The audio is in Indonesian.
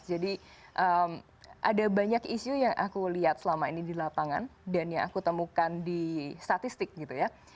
jadi ada banyak isu yang aku lihat selama ini di lapangan dan yang aku temukan di statistik gitu ya